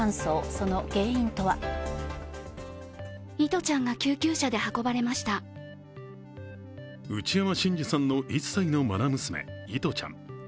その原因とは内山信二さんの１歳の愛娘絃ちゃん。